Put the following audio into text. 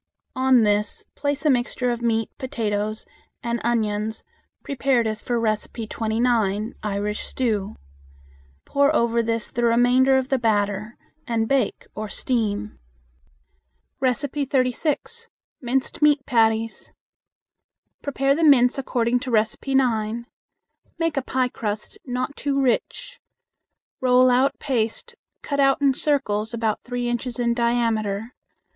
On this place a mixture of meat, potatoes, and onions prepared as for No. 29. Pour over this the remainder of the batter and bake or steam. 36. Minced Meat Patties. Prepare the mince according to No. 9. Make a piecrust, not too rich. Roll out paste, cut out in circles about three inches in diameter.